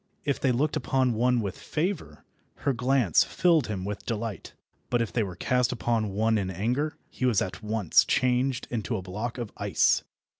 If they looked upon one with favour, her glance filled him with delight; but if they were cast upon one in anger, he was at once changed into a block of ice.